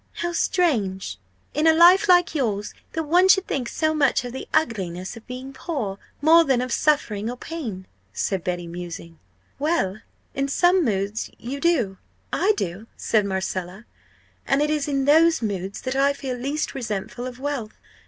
"How strange! in a life like yours that one should think so much of the ugliness of being poor more than of suffering or pain," said Betty, musing. "Well in some moods you do I do!" said Marcella; "and it is in those moods that I feel least resentful of wealth.